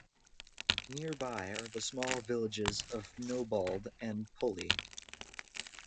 Nearby are the small villages of Nobold and Pulley.